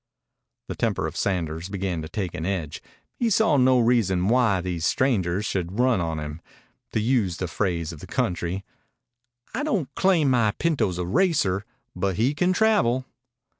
The temper of Sanders began to take an edge. He saw no reason why these strangers should run on him, to use the phrase of the country. "I don't claim my pinto's a racer, but he can travel."